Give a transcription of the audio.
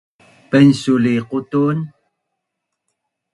painsul i qutun